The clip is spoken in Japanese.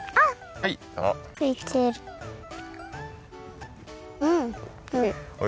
はい。